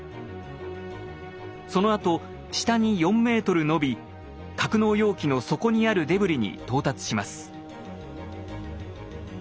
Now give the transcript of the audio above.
そのあと下に４ｍ伸び格納容器の底にあるデブリに到達します。